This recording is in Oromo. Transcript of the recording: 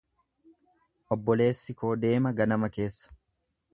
Obboleessi koo deema ganama keessa.